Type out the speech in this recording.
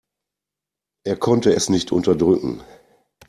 Er konnte es nicht unterdrücken.